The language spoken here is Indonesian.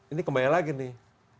ini kembali lagi nih